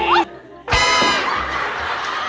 อีก